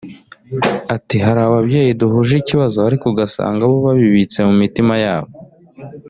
Ati “Hari ababyeyi duhuje ikibazo ariko ugasanga bo babibitse mu mitima yabo